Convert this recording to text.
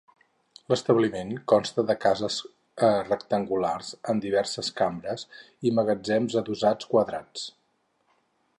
L'establiment consta de cases rectangulars amb diverses cambres, i magatzems adossats quadrats.